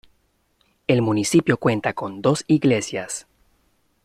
El municipio cuenta con dos iglesias.